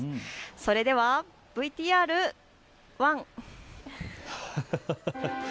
それではＶＴＲ、ワン。